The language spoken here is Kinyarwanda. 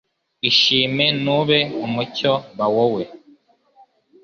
Ishime.Nube umucyo. Ba wowe.